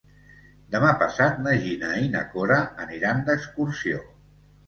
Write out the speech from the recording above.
Demà passat na Gina i na Cora aniran d'excursió.